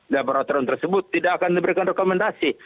laboratorium tersebut tidak akan memberikan rekomendasi